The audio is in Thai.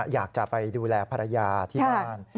อยากจะไปดูแลภรรยาที่บ้าน